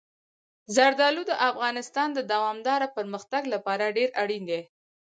زردالو د افغانستان د دوامداره پرمختګ لپاره ډېر اړین دي.